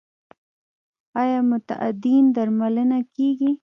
آیا معتادین درملنه کیږي؟